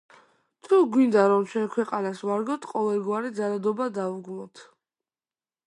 თუ გვინდა, რომ ჩვენს ქვეყანას ვარგოთ, ყოველგვარი ძალადობა დავგმოთ!